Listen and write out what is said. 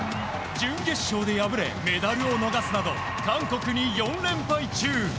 準決勝で敗れメダルを逃すなど韓国に４連敗中。